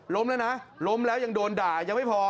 ล้มแล้วนะล้มแล้วยังโดนด่ายังไม่พอ